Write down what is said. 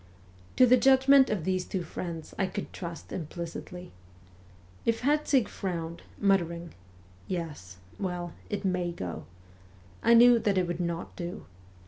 To the judgment of these two friends I could trust implicitly. If Herzig frowned, muttering, ' Yes well it may go,' I knew that it would not do.